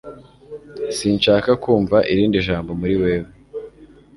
Sinshaka kumva irindi jambo muri wewe